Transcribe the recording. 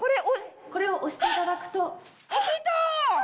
これを押していただくと。